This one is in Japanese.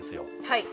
はい。